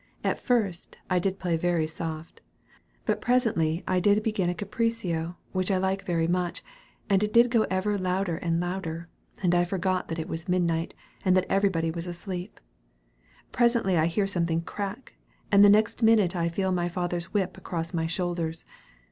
At first, I did play very soft. But presently I did begin a capriccio, which I like very much, and it do go ever louder and louder; and I forgot that it was midnight and that everybody was asleep. Presently I hear something crack! and the next minute I feel my father's whip across my shoulders.